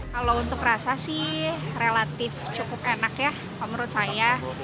kalau untuk rasa sih relatif cukup enak ya menurut saya